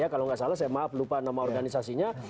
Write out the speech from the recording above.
kalau nggak salah saya maaf lupa nama organisasinya